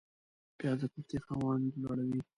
پیاز د کوفتې خوند لوړوي